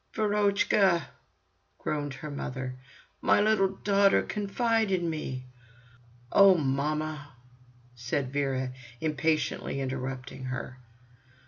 "Verochka!" groaned her mother. "My little daughter, confide in me!" "Oh! mamma!" said Vera, impatiently interrupting her.